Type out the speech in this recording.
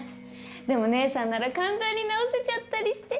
でも姐さんなら簡単に直せちゃったりして。